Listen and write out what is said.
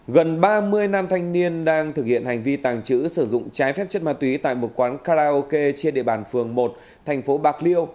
gần ba mươi nam thanh niên đang thực hiện hành vi tàng trữ sử dụng trái phép chất ma túy tại một quán karaoke trên địa bàn phường một thành phố bạc liêu